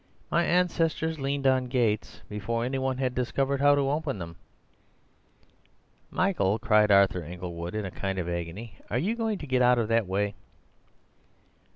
My ancestors leaned on gates before any one had discovered how to open them." "Michael!" cried Arthur Inglewood in a kind of agony, "are you going to get out of the way?"